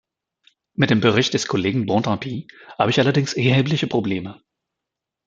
Mit dem Bericht des Kollegen Bontempi habe ich allerdings erhebliche Probleme.